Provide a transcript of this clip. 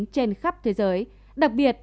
trên khắp thế giới đặc biệt